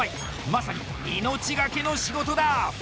まさに命懸けの仕事だ！